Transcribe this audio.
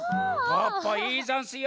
ポッポいいざんすよ。